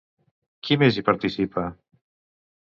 Qui més hi participa?